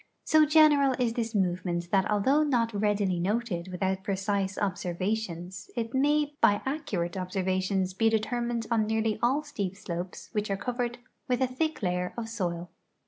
So general is this movement that although not readily' noted yvithout precise observations it maj' b\' accu rate observations be determined on nearly all steep slo]>es which are covered yvith a thick layer of soil.